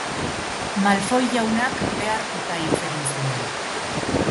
Malfoy jaunak behartuta hitz egin zuen.